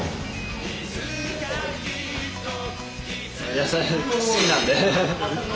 野菜好きなんで。